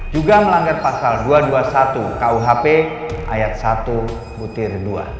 juga melanggar pasal dua ratus dua puluh satu kuhp ayat satu butir dua